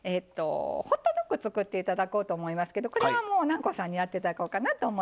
ホットドッグ作って頂こうと思いますけどこれはもう南光さんにやって頂こうかなと思います。